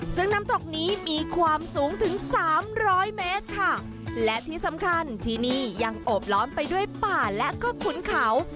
ซึ่งน้ำตกนี้มีความสูงถึงสามร้อยเมตรค่ะและที่สำคัญที่นี่ยังโอบล้อมไปด้วยป่าและก็ขุนเขา